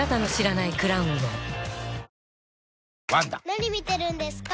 ・何見てるんですか？